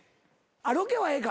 あっロケはええか。